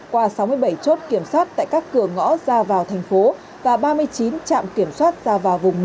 qua sáu mươi bảy chốt kiểm soát tại các cửa ngõ ra vào thành phố và ba mươi chín trạm kiểm soát ra vào vùng một